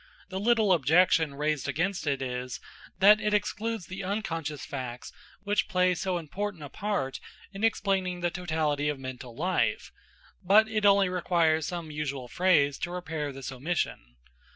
The little objection raised against it is, that it excludes the unconscious facts which play so important a part in explaining the totality of mental life; but it only requires some usual phrase to repair this omission.